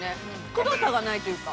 くどさがないというか。